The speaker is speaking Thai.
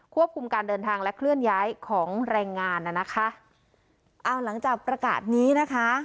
ควบคุมการเดินทางและเคลื่อนย้ายของแรงงานน่ะนะคะเอาหลังจากประกาศนี้นะคะ